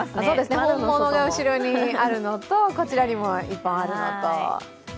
本物が後ろにあるのとこちらにも１本あるのと。